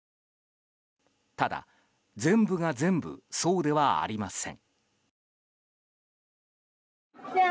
ただ、全部が全部そうではありません。